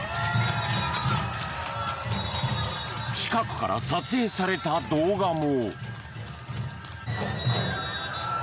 近くから撮影された動画も。